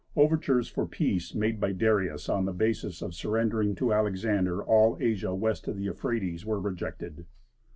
Overtures for peace, made by Darius on the basis of surrendering to Alexander all Asia west of the Euphrates, were rejected.